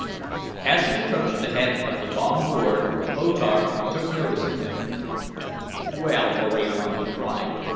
As he approached the head of the long board O Tar took notice of him. "Well, hoary one!" he cried.